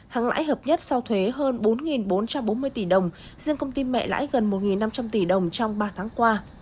hãng lãi hợp nhất sau thuế hơn bốn bốn trăm bốn mươi tỷ đồng riêng công ty mẹ lãi gần một năm trăm linh tỷ đồng trong ba tháng qua